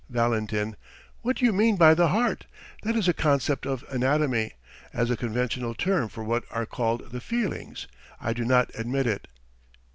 VALENTIN: What do you mean by the heart? That is a concept of anatomy. As a conventional term for what are called the feelings, I do not admit it.